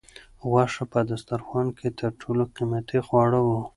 غوښه په دسترخوان کې تر ټولو قیمتي خواړه وو.